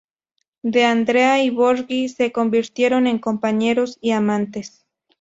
D'Andrea y Borghi se convirtieron en compañeros y amantes.